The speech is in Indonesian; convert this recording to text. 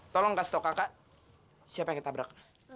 tolong kasih tau kakak siapa yang ditabrak